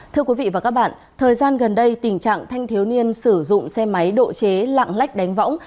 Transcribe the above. thưa quý vị và các bạn thời gian gần đây tình trạng thanh thiếu niên sử dụng xe máy độ chế lạng lách đánh võng